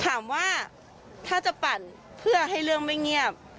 ถามว่าถ้าจะปั่นเพื่อให้เรื่องไม่เงียบ